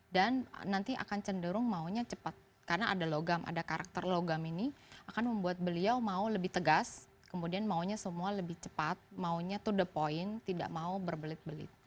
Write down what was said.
nanti akan cenderung maunya cepat karena ada logam ada karakter logam ini akan membuat beliau mau lebih tegas kemudian maunya semua lebih cepat maunya to the point tidak mau berbelit belit